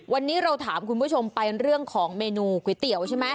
วันนี้เราถามคุณผู้ชมไปเรื่องของเมนูก๋วยเตี๋ยวใช่ไหม